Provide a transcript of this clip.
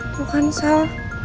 tuh kan sal